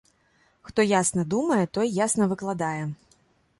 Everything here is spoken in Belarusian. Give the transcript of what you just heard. Хто ясна думае, той ясна выкладае.